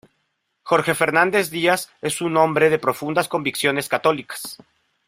Jorge Fernández Díaz es un hombre de profundas convicciones católicas.